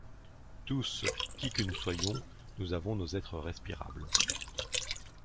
Tous, qui que nous soyons, nous avons nos êtres respirables.